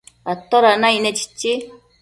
¿toda naicne?chichi